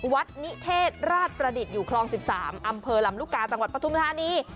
วัดนิเทศราชประดิษฐ์อยู่คลอง๑๓อำเภอลำลูกกาจังหวัดปทุมธานี